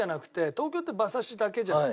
東京って馬刺しだけじゃない？